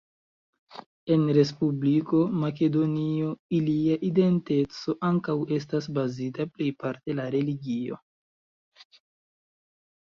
En Respubliko Makedonio ilia identeco ankaŭ estas bazita plejparte la religio.